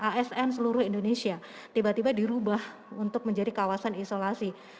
asn seluruh indonesia tiba tiba dirubah untuk menjadi kawasan isolasi